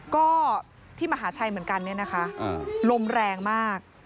ก็ที่มหาชัยเหมือนกันเนี่ยนะคะลมแรงมาก